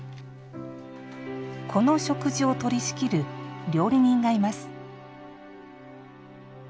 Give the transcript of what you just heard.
この食事を取り仕切る料理人がいます。